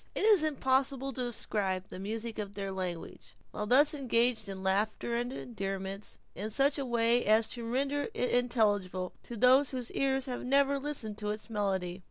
It is impossible to describe the music of their language, while thus engaged in laughter and endearments, in such a way as to render it intelligible to those whose ears have never listened to its melody.